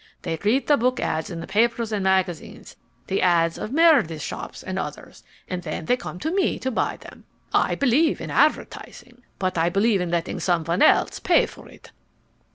They read the book ads in the papers and magazines, the ads of Meredith's shop and others, and then they come to me to buy them. I believe in advertising, but I believe in letting someone else pay for it.